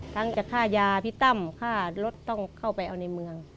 จะค่ายาพี่ตั้มค่ารถต้องเข้าไปเอาในเมือง